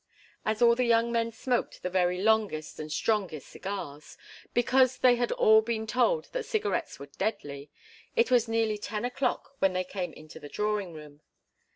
As all the young men smoked the very longest and strongest cigars, because they had all been told that cigarettes were deadly, it was nearly ten o'clock when they came into the drawing room.